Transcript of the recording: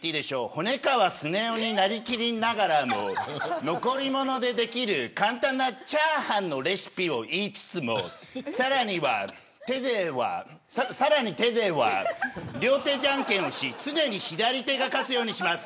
骨川スネ夫になり切りながらも残りものでできる簡単なチャーハンのレシピを言いつつもさらに手では両手じゃんけんをし常に左手が勝つようにします。